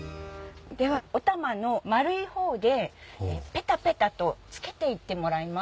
ではおたまの丸いほうでペタペタと付けて行ってもらいます。